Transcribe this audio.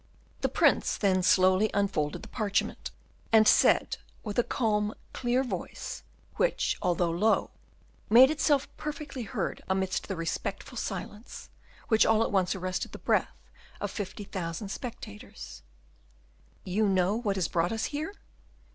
The Prince then slowly unfolded the parchment, and said, with a calm clear voice, which, although low, made itself perfectly heard amidst the respectful silence, which all at once arrested the breath of fifty thousand spectators: "You know what has brought us here?